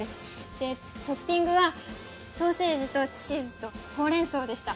でトッピングはソーセージとチーズとほうれん草でした。